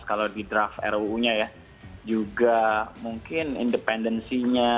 kalau di draft ruu nya ya juga mungkin independensinya